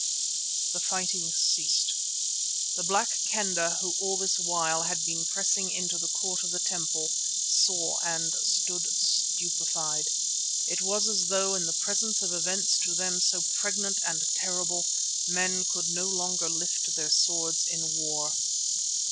The fighting ceased. The Black Kendah, who all this while had been pressing into the court of the temple, saw and stood stupefied. It was as though in the presence of events to them so pregnant and terrible men could no longer lift their swords in war.